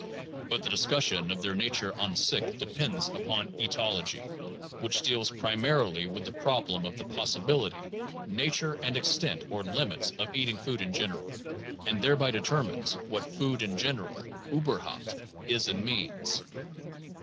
But the discussion of their nature an sich depends upon '' eatology, '' which deals primarily with the problem of the possibility, nature, and extent (or limits) of eating food in general, and thereby determines what food in gen eral, uberhaupt, is and means.